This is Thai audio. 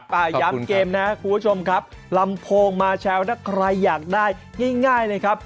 ย้ำเกมนะครับคุณผู้ชมครับลำโพงมาแลวถ้าใครอยากได้ง่ายเลยครับ